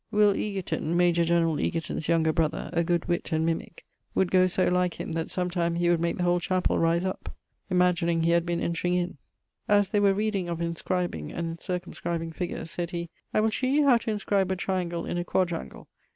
Will. Egerton (Major Generall Egerton's younger brother), a good witt and mimick, would goe so like him, that sometime he would make the whole chapell rise up, imagining he had been entring in. As they were reading of inscribing and circumscribing figures, sayd he,'I will shew you how to inscribe a triangle in a quadrangle.